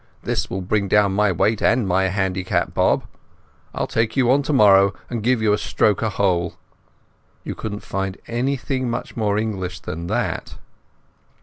"This will bring down my weight and my handicap, Bob. I'll take you on tomorrow and give you a stroke a hole." You couldn't find anything much more English than that.